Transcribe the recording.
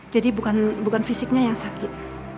jadi bukan fisiknya yang sakit